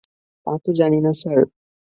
তা তো জানি না, স্যার।